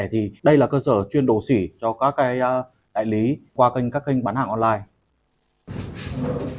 thì đây là cơ sở chuyên đồ sỉ cho các đại lý qua các kênh bán hàng online